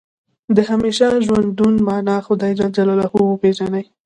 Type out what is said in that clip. د همیشه ژوندون معنا خدای جل جلاله وپېژني.